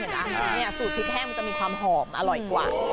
นี่สูตรพริกแห้งมันจะมีความหอมอร่อยกว่า